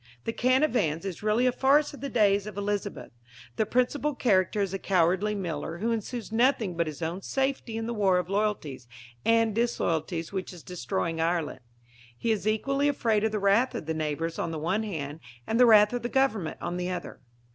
The Canavans is really a farce of the days of Elizabeth. The principal character is a cowardly miller, who ensues nothing but his own safety in the war of loyalties and disloyalties which is destroying Ireland. He is equally afraid of the wrath of the neighbours on the one hand, and the wrath of the Government on the other.